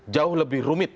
jauh lebih rumit